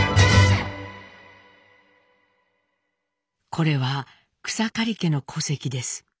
これは草刈家の戸籍です。